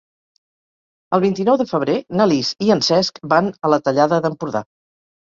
El vint-i-nou de febrer na Lis i en Cesc van a la Tallada d'Empordà.